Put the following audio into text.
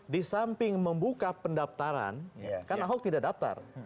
di samping membuka pendaftaran kan ahok tidak daftar